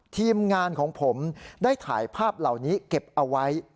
ทีมงานของผมได้ถ่ายภาพเหล่านี้เก็บเอาไว้